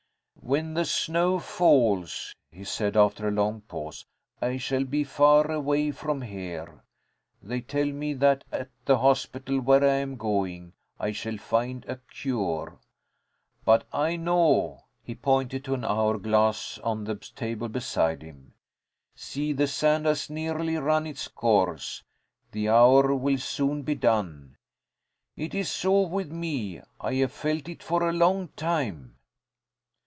"When the snow falls," he said, after a long pause, "I shall be far away from here. They tell me that at the hospital where I am going, I shall find a cure. But I know." He pointed to an hour glass on the table beside him. "See! the sand has nearly run its course. The hour will soon be done. It is so with me. I have felt it for a long time."